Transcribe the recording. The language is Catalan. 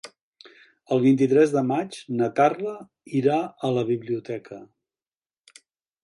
El vint-i-tres de maig na Carla irà a la biblioteca.